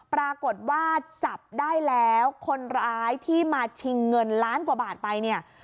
ปรากฏว่าจับได้แล้วคนร้ายที่มาชิงเงินล้านกว่าบาทไปเนี่ย